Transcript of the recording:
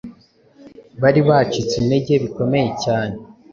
Bari bacitse intege bikomeye cyane.